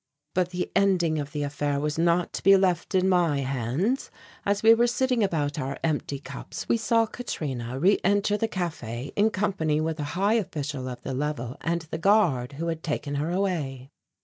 But the ending of the affair was not to be left in my hands; as we were sitting about our empty cups, we saw Katrina re enter the café in company with a high official of the level and the guard who had taken her away.